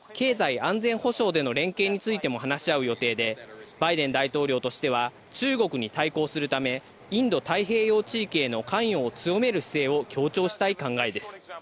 また経済安全保障での連携についても話し合う予定で、バイデン大統領としては、中国に対抗するためインド太平洋地域への関与を強める姿勢を強調したい考えです。